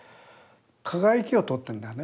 輝きを撮ってるんだよね